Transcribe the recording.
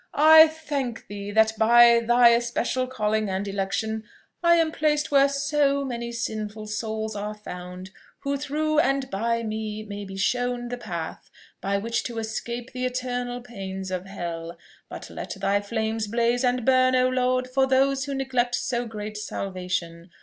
"I thank thee! that by thy especial calling and election I am placed where so many sinful souls are found, who through and by me may be shown the path by which to escape the eternal pains of hell. But let thy flames blaze and burn, O Lord! for those who neglect so great salvation!